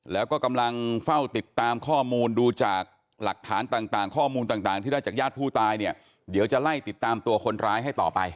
แล้วก็กำลังเฝ้าติดตามข้อมูลดูจากหลักฐานต่างข้อมูลต่างที่ได้จากญาติผู้ตายเนี่ยเดี๋ยวจะไล่ติดตามตัวคนร้ายให้ต่อไป